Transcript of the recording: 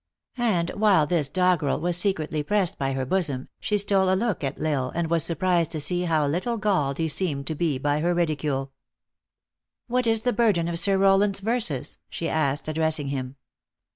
And while this doggerel was secretly pressed by her bosom, she stole a look at L Isle, and was surprised to see how little galled he seemed to be by her ridicule. " What is the burden of Sir Rowland s verses ?" she asked, addressing him.